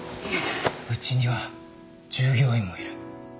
うちには従業員もいる。